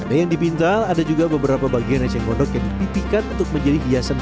ada yang dipintal ada juga beberapa bagian eceng gondok yang dipipihkan untuk menjadi hiasan